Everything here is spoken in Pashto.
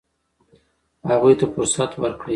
هغوی ته فرصت ورکړئ.